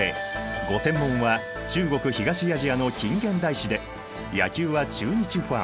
ご専門は中国・東アジアの近現代史で野球は中日ファン。